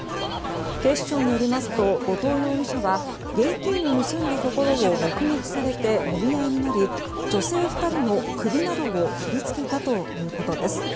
警視庁によりますと後藤容疑者は現金を盗んだところを目撃されてもみ合いになり女性２人の首などを切りつけたということです。